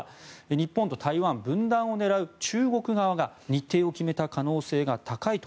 日本と台湾の分断を狙う中国側が日程を決めた可能性が高いと。